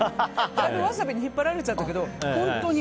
ワサビに引っ張られちゃったけど本当に。